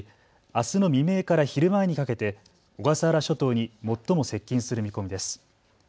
あすの未明から昼前にかけて小笠原諸島に最も接近する見込みです。